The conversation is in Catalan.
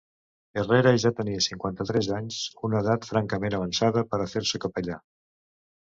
Herrera ja tenia cinquanta-tres anys, una edat francament avançada per a fer-se capellà.